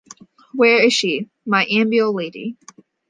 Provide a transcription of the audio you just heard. ‘Where is she — my amiable lady?’